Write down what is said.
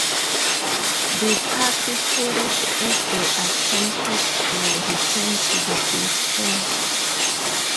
The party perished as they attempted to return to the base camp.